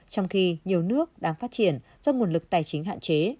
trong khi nhiều nước đang phát triển do nguồn lực tài chính hạn chế